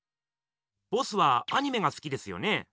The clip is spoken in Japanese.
ボスはアニメがすきですよね？